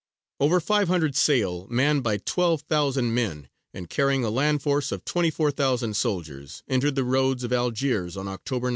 Over five hundred sail, manned by twelve thousand men, and carrying a land force of twenty four thousand soldiers, entered the roads of Algiers on October 19, 1541.